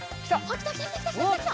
きた！